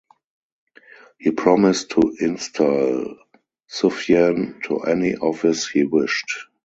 He promised to install Sufyan to any office he wished.